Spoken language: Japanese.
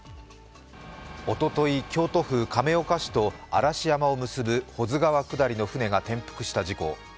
おととい、京都府亀岡市と嵐山を結ぶ保津川下りの舟が転覆した事故。